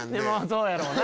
そうやろうな。